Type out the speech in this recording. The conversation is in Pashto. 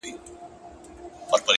د لرې غږونو ګډوالی د ښار ژوند جوړوي،